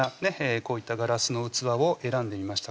こういったガラスの器を選んでみました